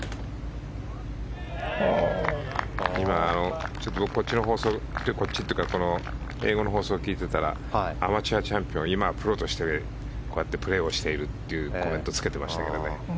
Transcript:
今、こっちの放送というか英語の放送聞いてたらアマチュアチャンピオンは今はプロとしてプレーをしているというコメントをつけてましたけどね。